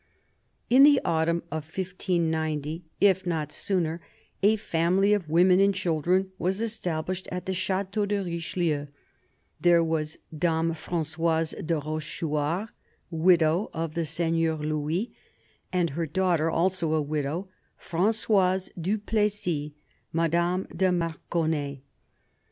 In the autumn of 1590, if not sooner, a family of women and children was established at the Chateau de Richelieu. There were Dame Frangoise de Rochechouart, widow of 4;he Seigneur Louis, and her daughter, also a widow, Frangoise du Plessis, Madame de Marconnay.